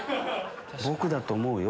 僕だと思うよ